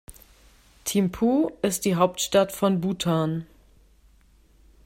Thimphu ist die Hauptstadt von Bhutan.